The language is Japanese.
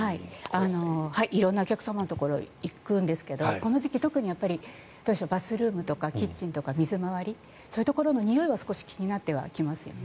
色んなお客様のところに行くんですがこの時期、特にバスルームとかキッチンとか水回りそういうところのにおいは少し気になってはきますよね。